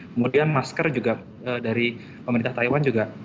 kemudian masker juga dari pemerintah taiwan juga